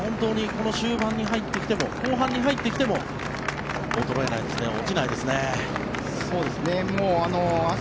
この終盤に入ってきても後半に入ってきても衰えないですね。